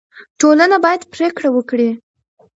ټولنه باید پرېکړه وکړي.